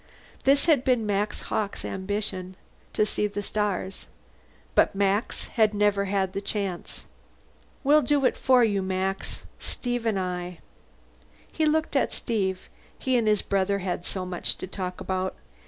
This had been Max Hawkes' ambition, to see the stars. But Max had never had the chance. We'll do it for you, Max. Steve and I. He looked at Steve. He and his brother had so much to talk about.